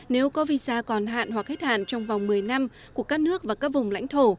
nếu có visa còn hạn hoặc hết hạn trong vòng một mươi năm của các nước và các vùng lãnh thổ